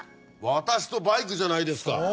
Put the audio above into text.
私とバイクじゃないですか。